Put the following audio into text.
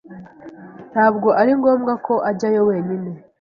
Ntabwo ari ngombwa ko ajyayo wenyine.